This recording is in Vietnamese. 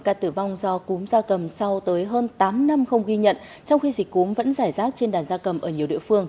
ca tử vong do cúm da cầm sau tới hơn tám năm không ghi nhận trong khi dịch cúm vẫn giải rác trên đàn da cầm ở nhiều địa phương